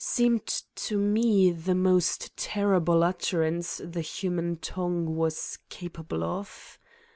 seemed to me the most terrible utterance the human tongue was capable of.